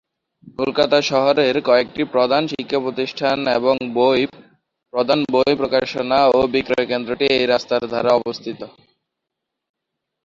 কলকাতা শহরের কয়েকটি প্রধান শিক্ষা প্রতিষ্ঠান এবং প্রধান বই প্রকাশনা ও বিক্রয় কেন্দ্রটি এই রাস্তার ধারে অবস্থিত।